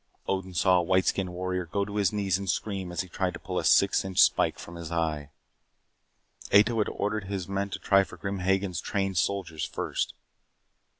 Odin saw a white skinned warrior go to his knees and scream as he tried to pull a six inch spike from his eye. Ato had ordered his men to try for Grim Hagen's trained soldiers first.